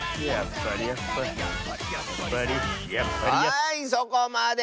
はいそこまで！